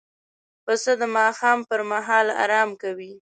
پسه د ماښام پر مهال آرام کوي.